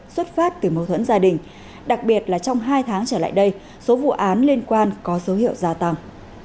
xuất phát từ mâu thuẫn gia đình đặc biệt là trong hai tháng trở lại đây số vụ án liên quan có dấu hiệu gia tăng